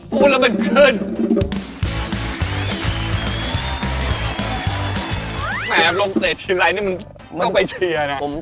มองบอกเลยใครชอบเรียกผมผิดอะ